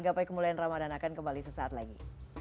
gapai kemuliaan ramadan akan kembali sesaat lagi